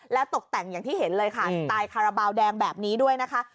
แล้วตกแต่งอย่างที่เห็นเลยค่ะสไตล์คาราบาลแดงแบบนี้ด้วยนะคะ